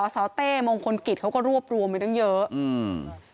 สเตมองค์คนกิจเขาก็รวบรวมไว้ตั้งเยอะ